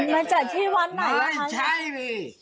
ไม่ใช่ในที่วไรละไหม